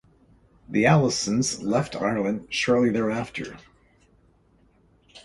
The Allisons left Ireland shortly thereafter.